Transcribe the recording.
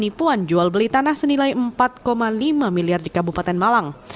penipuan jual beli tanah senilai empat lima miliar di kabupaten malang